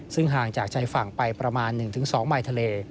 ซึ่งห่างจากชายฝั่งไปประมาณ๑๒มายทะเล